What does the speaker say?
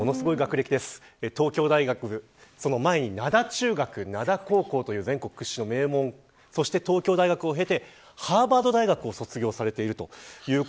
東京大学の前に灘中学、灘高校という全国屈指の名門を卒業し東京大学を経てハーバード大学を卒業しています。